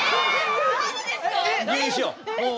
入院しよう。